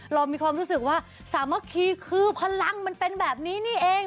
เรามีความรู้สึกว่าสามัคคีคือพลังมันเป็นแบบนี้นี่เอง